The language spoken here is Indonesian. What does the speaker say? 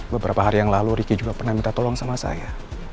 beberapa hari yang lalu ricky juga pernah minta tolong sama saya